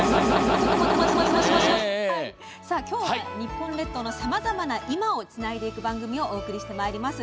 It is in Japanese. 今日は、日本列島のさまざまな今をつないでいく番組になります。